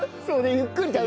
ゆっくりね。